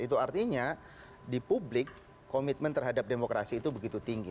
itu artinya di publik komitmen terhadap demokrasi itu begitu tinggi